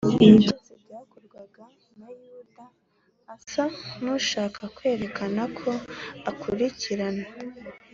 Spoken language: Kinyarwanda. ibi byose byakorwaga na yuda asa n’ushaka kwerekana ko akurikira